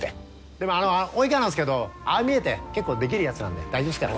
でも及川なんすけどああ見えて結構できるやつなんで大丈夫っすから。